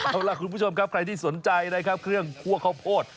เอาล่ะคุณผู้ชมครับใครที่สนใจนะครับเครื่องคั่วข้าวโพด